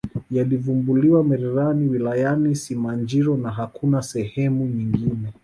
yalivumbuliwa mererani wilayani simanjiro na hakuna sehemu nyingine